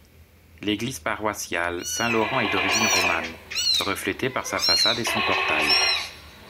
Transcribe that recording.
L'église paroissiale Saint-Laurent est d'origine romane, reflétée par sa façade et son portail.